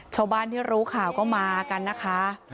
ชาวบ้านที่รู้ข่าวก็มากันนะคะ